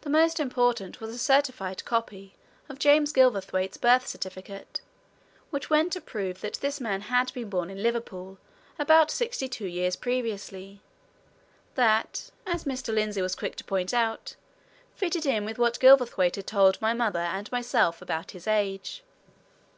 The most important was a certified copy of James Gilverthwaite's birth certificate, which went to prove that this man had been born in Liverpool about sixty two years previously; that, as Mr. Lindsey was quick to point out, fitted in with what Gilverthwaite had told my mother and myself about his age.